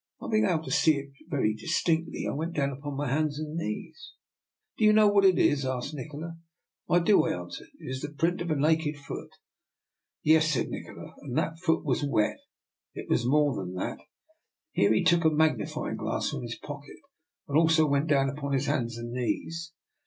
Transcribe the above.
Not being able to see it very distinctly, I went down upon my hands and knees. " Do you know what it is? " asked Nikola. " I do," I answered. " It is the print of a naked foot." " Yes," said Nikola, " and that foot was wet. It was more than that." Here he took a magnifying glass from his pocket, and also went down upon his hands and knees.